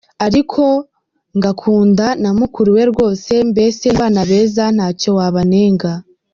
Ariko ngakunda na mukuru we rwose mbese ni abana beza ntacyo wabanenga.